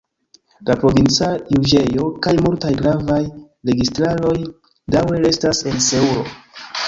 La provinca juĝejo kaj multaj gravaj registaroj daŭre restas en Seulo.